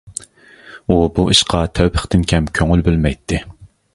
ئۇ بۇ ئىشقا تەۋپىقتىن كەم كۆڭۈل بۆلمەيتتى.